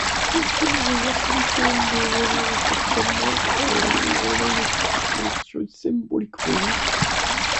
Les premières apparitions des oiseaux sur timbre ont généralement une forte connotation symbolique.